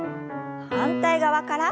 反対側から。